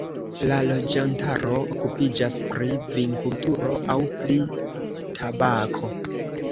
La loĝantaro okupiĝas pri vinkulturo aŭ pri tabako.